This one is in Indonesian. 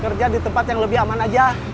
kerja di tempat yang lebih aman aja